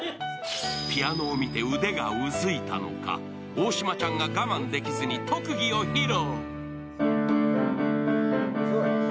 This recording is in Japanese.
ピアノを見て腕がうずいたのか、大島ちゃんが我慢できずに特技を披露。